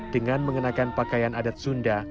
dengan mengenakan pakaian adat sunda